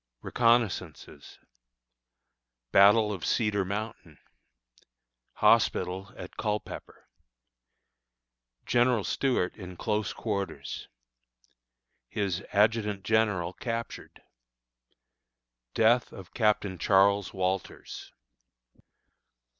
Reconnoissances. Battle of Cedar Mountain. Hospital at Culpepper. General Stuart in Close Quarters. His Adjutant General Captured. Death of Captain Charles Walters.